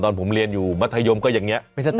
ตอนผมเรียนอยู่มภยมก็แบบนี้